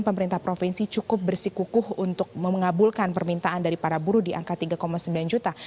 pemerintah provinsi cukup bersikukuh untuk mengabulkan permintaan dari para buruh di angka tiga sembilan juta